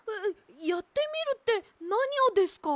やってみるってなにをですか？